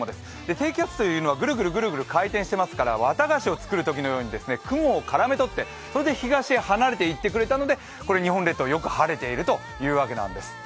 低気圧というのはぐるぐる回転してますから綿菓子を作るときのように雲を絡め取ってそれで東へ離れていってくれたので、日本列島、よく晴れているというわけなんです。